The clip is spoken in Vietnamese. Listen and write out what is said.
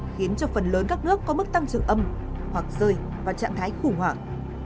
khiến phần lớn các nước có mức tăng trưởng âm hoặc rơi vào trạng thái khủng hoảng